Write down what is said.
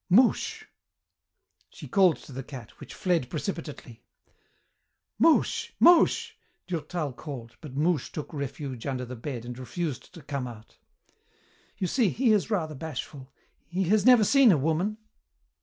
"Mouche." She called to the cat, which fled precipitately. "Mouche! Mouche!" Durtal called, but Mouche took refuge under the bed and refused to come out. "You see he is rather bashful. He has never seen a woman."